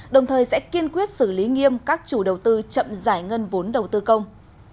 đồng thời sẽ kiên quyết xử lý nghiêm các chủ đầu tư chậm giải ngân vốn đầu tư công